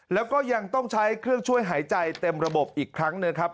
แล้วก็ยังต้องใช้เครื่องช่วยหายใจเต็มระบบอีกครั้งนะครับ